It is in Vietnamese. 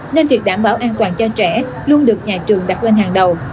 nên việc đảm bảo an toàn cho trẻ luôn được nhà trường đặt lên hàng đầu